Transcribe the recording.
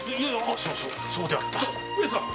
そうそうそうであった。